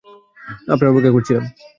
আপনার অপেক্ষা করছিলাম।